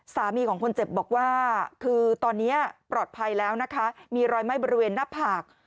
สามีของคนเจ็บบอกว่าคือตอนนี้ปลอดภัยแล้วนะคะมีรอยไหม้บริเวณหน้าผาก